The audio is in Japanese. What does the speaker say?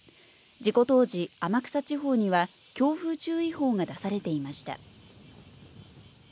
事故当時、天草地方には強風注意報が出されていました。